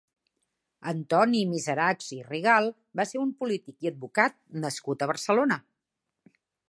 Antoni Miserachs i Rigalt va ser un polític i advocat nascut a Barcelona.